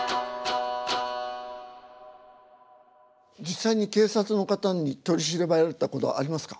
実際に警察の方に取り調べられたことありますか？